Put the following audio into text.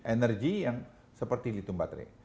energi yang seperti litung baterai